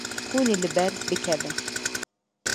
Hûn ê li ber bikevin.